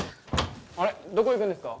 あれどこ行くんですか？